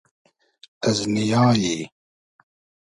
از نییای